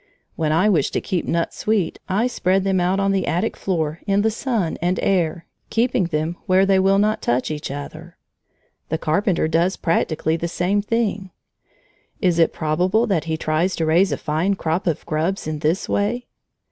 When I wish to keep nuts sweet, I spread them out on the attic floor in the sun and air, keeping them where they will not touch each other. The Carpenter does practically the same thing. Is it probable that he tries to raise a fine crop of grubs in this way?